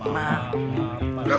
mbak mbak mbak